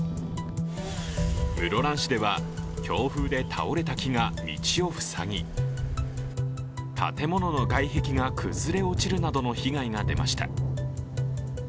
室蘭市では強風で倒れた木が道を塞ぎ建物の外壁が崩れ落ちるなどの被害が出ました。